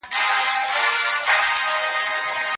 تاسو باید د کمپيوټر پوهنې په برخه کي پانګونه وکړئ.